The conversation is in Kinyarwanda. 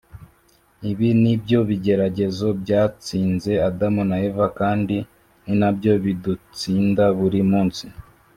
. Ibi ni byo bigeragezo byatsinze Adamu na Eva, kandi ni nabyo bidutsinda buri munsi.